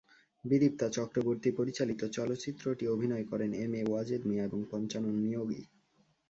বিদীপ্তা চক্রবর্তী পরিচালিত চলচ্চিত্রটিতে অভিনয় করেন এম এ ওয়াজেদ মিয়া এবং পঞ্চানন নিয়োগী।